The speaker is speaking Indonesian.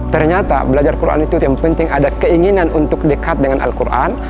ternyata belajar quran itu yang penting ada keinginan untuk dekat dengan al quran